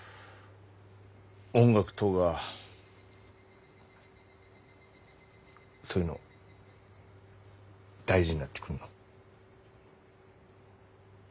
音楽とかそういうの大事になってくんの。